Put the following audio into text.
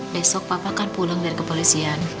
besok papa kan pulang dari kepolisian